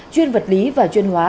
chuyên vật lý và chuyên hóa